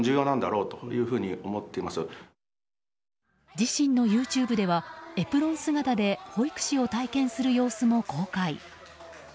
自身のＹｏｕＴｕｂｅではエプロン姿で保育士を体験する様子も公開。